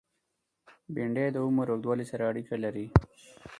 بېنډۍ د عمر اوږدوالی سره اړیکه لري